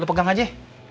lo pegang aja ya